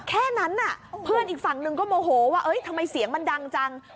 แค่นั้นน่ะเพื่อนอีกฝั่งหนึ่งก็โมโหว่าทำไมเสียงมันดังจัง